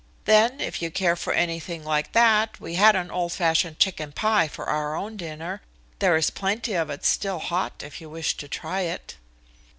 Then, if you care for anything like that, we had an old fashioned chicken pie for our own dinner. There is plenty of it still hot if you wish to try it."